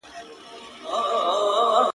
چي د جنت اختيار او کيلي د حکمتيار